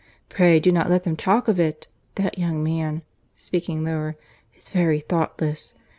Pray do not let them talk of it. That young man (speaking lower) is very thoughtless.